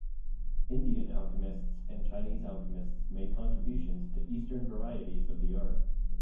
Indian alchemists and Chinese alchemists made contributions to Eastern varieties of the art.